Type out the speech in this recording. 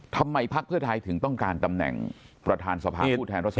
ทำไมภาคเพื่อไทยถึงต้องการตำแหน่งประธานสภาคผู้แทนรัฐสนับ